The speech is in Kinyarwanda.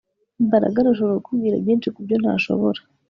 Mbaraga arashobora kukubwira byinshi kubyo ntashobora